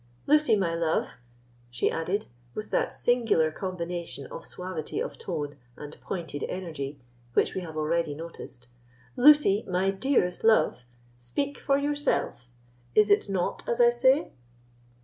Lucy, my love," she added, with that singular combination of suavity of tone and pointed energy which we have already noticed—"Lucy, my dearest love! speak for yourself, is it not as I say?"